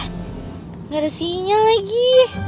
tidak ada sinyal lagi